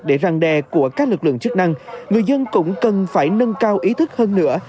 để răng đe của các lực lượng chức năng người dân cũng cần phải nâng cao ý thức hơn nữa